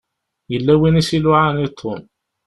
Yella win i s-iluɛan i Tom.